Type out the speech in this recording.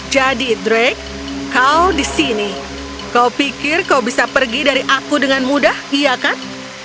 jadi drake kau di sini kau pikir kau bisa pergi dari aku dengan mudah iya kan